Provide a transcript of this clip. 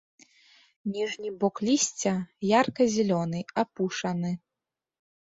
Ніжні бок лісця ярка-зялёны, апушаны.